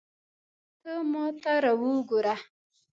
ته ماته را وګوره